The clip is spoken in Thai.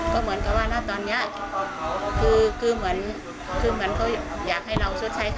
ก็เหมือนกับว่าตอนเนี้ยคือเหมือนคือเหมือนเขาอยากให้เราชดใช้ค่ะ